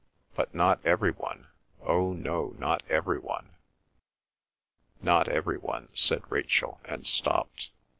"But not every one—oh no, not every one." "Not every one," said Rachel, and stopped.